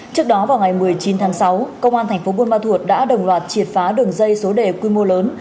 trước đó vào ngày một mươi chín tháng sáu công an thành phố buôn ma thuột đã đồng loạt triệt phá đường dây số đề quy mô lớn